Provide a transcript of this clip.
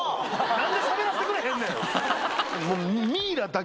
何でしゃべらせてくれへんねん。